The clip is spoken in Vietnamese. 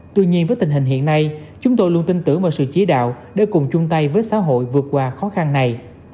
tuy nhiên với tình hình hiện nay chúng tôi luôn tin tưởng vào sự chỉ đạo để cùng chung tay với xã hội vượt qua khó khăn này